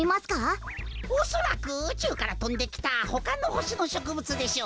おそらくうちゅうからとんできたほかのほしのしょくぶつでしょう。